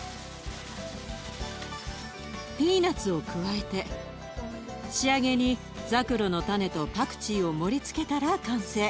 ピーナツを加えて仕上げにザクロの種とパクチーを盛りつけたら完成。